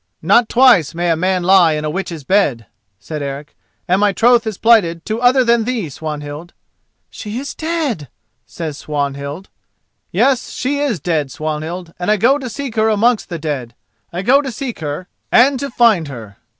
"Not twice may a man lie in a witch's bed," said Eric, "and my troth is plighted to other than thee, Swanhild." "She is dead," says Swanhild. "Yes, she is dead, Swanhild; and I go to seek her amongst the dead—I go to seek her and to find her!"